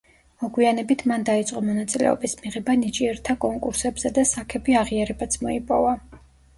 მოგვიანებით მან დაიწყო მონაწილეობის მიღება ნიჭიერთა კონკურსებზე და საქები აღიარებაც მოიპოვა.